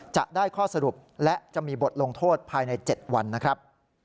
จะได้ข้อสรุปและจะมีบทลงโทษภายใน๗วันนะครับ